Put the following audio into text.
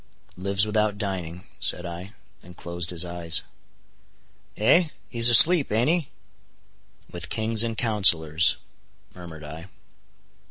"Lives without dining," said I, and closed his eyes. "Eh!—He's asleep, aint he?" "With kings and counselors," murmured I.